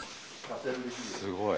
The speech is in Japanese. すごい。